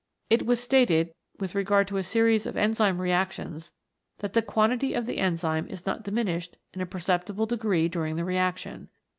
It was stated with regard to a series of enzyme reactions that the quantity of the enzyme is not diminished in a perceptible degree during the reaction.